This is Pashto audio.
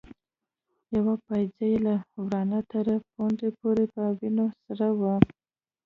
يوه پايڅه يې له ورانه تر پوندې پورې په وينو سره وه.